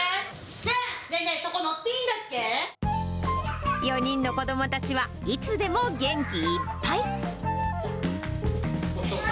ずん！ねぇねぇ、４人の子どもたちはいつでも元気いっぱい。